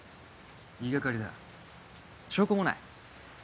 言い掛かりだ証拠もない。